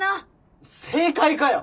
正解かよ！